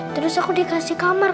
terus aku dikasih kamar